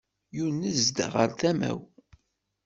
Yunez-d ɣer tama-w.